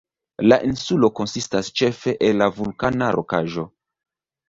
La insulo konsistas ĉefe el vulkana rokaĵo.